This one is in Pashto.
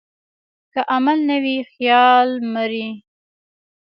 که عمل نه وي، خیال مري.